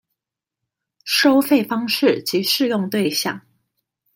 收費方式及適用對象